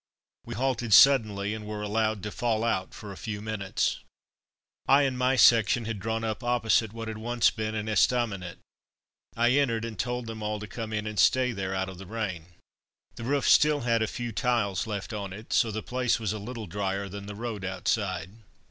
We halted suddenly, and were allowed to "fall out" for a few minutes. I and my section had drawn up opposite what had once been an estaminet. I entered, and told them all to come in and stay there out of the rain. The roof still had a few tiles left on it, so the place was a little drier than the road outside.